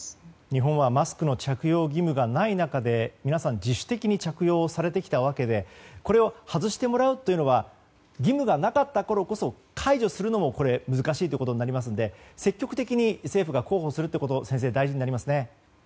日本はマスクの着用義務がない中で皆さん、自主的に着用をされてきたわけでこれを外してもらうのは義務がなかったからこそ解除するのも難しいということになりますので積極的に政府が広報することがそうですね。